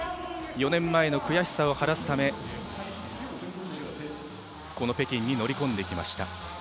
４年前の悔しさを晴らすためこの北京に乗り込んできました。